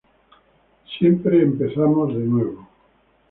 Siempre empezamos de nuevo.